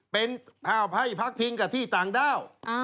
เป็นภาพไพ่พักพิงกับที่ต่างด้าว